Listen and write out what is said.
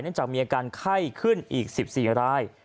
จากมีอาการไข้ขึ้นอีก๑๔ราย